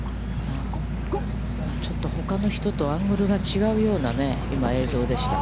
ちょっと、ほかの人とアングルが違うようなね、今、映像でした。